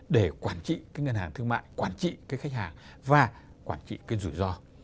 để quản trị ngân hàng thương mại quản trị khách hàng và quản trị rủi ro